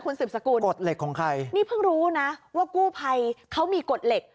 คุณสืบสกุลกฎเหล็กของใครนี่เพิ่งรู้นะว่ากู้ภัยเขามีกฎเหล็ก